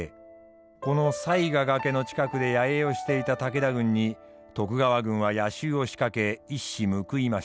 この犀ヶ崖の近くで野営をしていた武田軍に徳川軍は夜襲をしかけ一矢報いました。